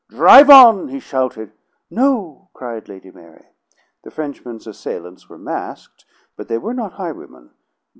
Drive on!" he shouted. "No!" cried Lady Mary. The Frenchman's assailants were masked, but they were not highwaymen.